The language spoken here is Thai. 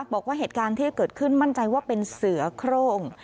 บอกว่าเหตุการณ์ที่เกิดขึ้นมั่นใจว่าเป็นเสือโครง